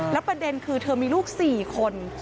ประเด็นคือเธอมีลูก๔คน